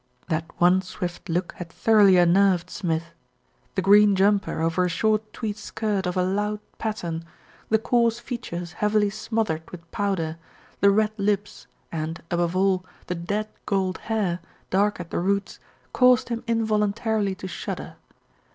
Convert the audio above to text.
That one swift look had thoroughly unnerved Smith. The green jumper over a short tweed skirt of a loud 148 THE RETURN OF ALFRED pattern, the coarse features heavily smothered with powder, the red lips and, above all, the dead gold hair, dark at the roots, caused him involuntarily to shudder.